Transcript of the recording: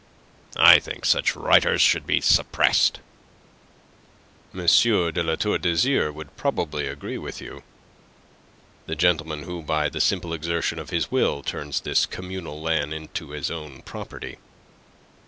I think such writers should be suppressed." "M. de La Tour d'Azyr would probably agree with you the gentleman who by the simple exertion of his will turns this communal land into his own property."